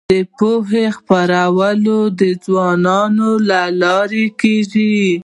د پوهې خپرول د ځوانانو له لارې کيږي.